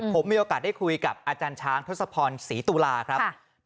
ผมมีโอกาสได้คุยกับอาจารย์ช้างทศพรศรีตุลาครับ